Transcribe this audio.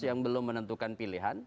yang belum menentukan pilihan